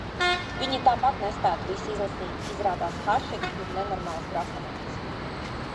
Viņa tāpat nespētu visu izlasīt. Izrādās, Hašeks ir nenormāls grafomāns.